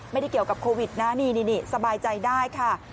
ไม่ได้เกี่ยวกับโควิดนะนี่สบายใจได้ค่ะ